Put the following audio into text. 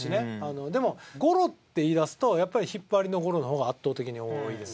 でもゴロって言いだすとやっぱり引っ張りのゴロの方が圧倒的に多いです